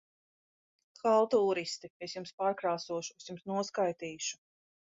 -Haltūristi! Es jums pārkrāsošu. Es jums noskaitīšu!